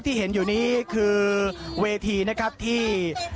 ที่เห็นอยู่นี้คือเวทีนะครับที่